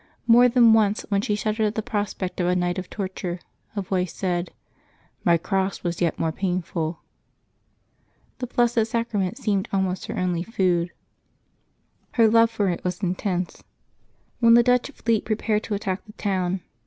More than once, when she shuddered at the prospect of a night of torture, a voice said, " My cross was yet more painful." The Blessed Sacrament seemed almost her only food. Her love for it was intense. When the Dutch fleet prepared to attack the town.